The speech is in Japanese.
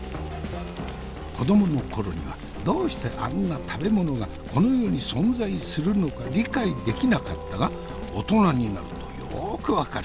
子どもの頃にはどうしてあんな食べ物がこの世に存在するのか理解できなかったが大人になるとよく分かる。